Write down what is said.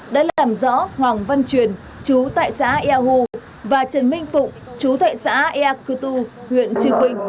đã làm rõ hoàng văn truyền trú tại xã ea hù và trần minh phụng trú tại xã ea cư tư huyện trư quynh